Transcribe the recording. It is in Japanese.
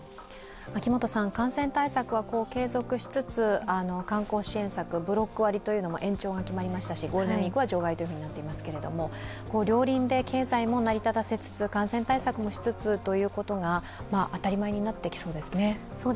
感染対策は継続しつつ、観光支援策、ブロック割というのも延長が決まりましたし、ゴールデンウイークは除外となっていますが両輪で経済も成り立たせつつ感染対策もしつつということが当たり前になってきそうですね。